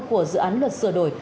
của dự án luật sửa đổi